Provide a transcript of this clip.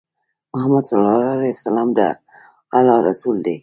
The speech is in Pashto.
محمد صلی الله عليه وسلم د الله رسول دی